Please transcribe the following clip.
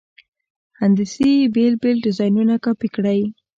هندسي بېل بېل ډیزاینونه کاپي کړئ.